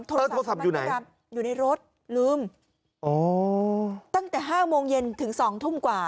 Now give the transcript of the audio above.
โทรศัพท์อยู่ไหนอยู่ในรถลืมอ๋อตั้งแต่ห้าโมงเย็นถึงสองทุ่มกว่า